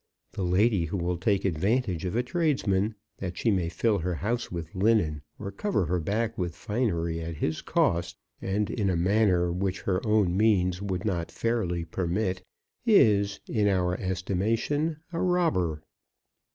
The lady who will take advantage of a tradesman, that she may fill her house with linen, or cover her back with finery, at his cost, and in a manner which her own means would not fairly permit, is, in our estimation, a robber.